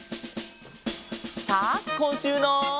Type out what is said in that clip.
さあこんしゅうの。